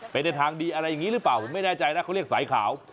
ในทางดีอะไรอย่างนี้หรือเปล่าผมไม่แน่ใจนะเขาเรียกสายขาว